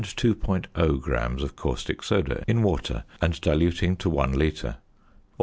0 grams of caustic soda in water, and diluting to 1 litre; or 9.